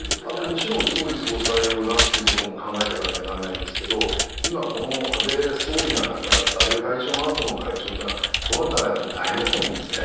もちろん総理総裁を出すということも考えてかなきゃなんないんですけど、今この安倍総理が亡くなった、安倍会長のあとの会長ってのは、どなたがやっても大変だと思うんですね。